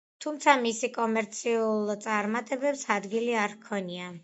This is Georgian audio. თუმცა, მისი კომერციულ წარმატებას ადგილი არ ჰქონია.